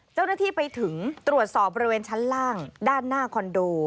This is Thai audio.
เจ้าหน้าที่ไปถึงตรวจสอบบริเวณชั้นล่างด้านหน้าคอนโด